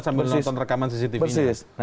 sambil nonton rekaman cctv nya